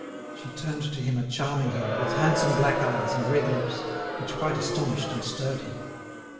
She turned to him a charming head, with handsome black eyes, and red lips, which quite astonished and stirred him.